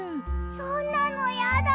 そんなのやだ。